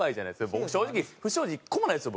僕正直不祥事１個もないですよ